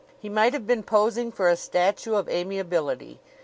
He might have been posing for a statue of Amiability.